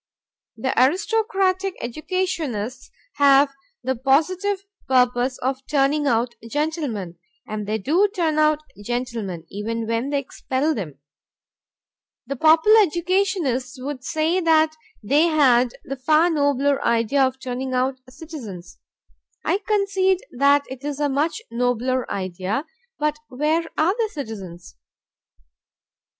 The aristocratic educationists have the positive purpose of turning out gentlemen, and they do turn out gentlemen, even when they expel them. The popular educationists would say that they had the far nobler idea of turning out citizens. I concede that it is a much nobler idea, but where are the citizens?